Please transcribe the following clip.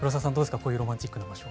こういうロマンチックな場所。